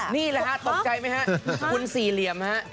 นี่แหละฮะตกใจไหมฮะคุณสี่เหลี่ยมฮะ